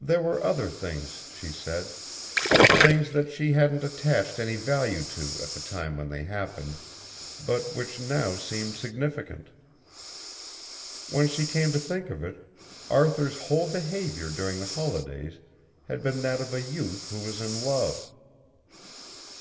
There were other things, she said. Things that she hadn't attached any value to at the time when they happened, but which now seemed significant. When she came to think of it Arthur's whole behaviour during the holidays had been that of a youth who was in love.